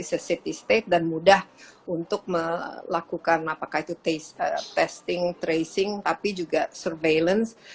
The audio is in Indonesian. ya karena itu sudah ada city state dan mudah untuk melakukan apakah itu testing tracing tapi juga surveillance